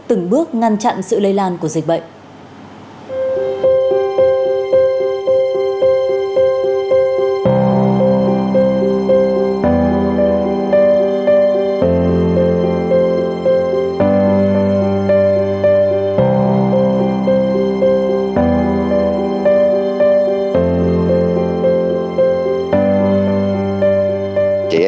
từng bước ngăn chặn sự lây lan của dịch bệnh